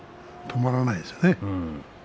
止まらないですよね。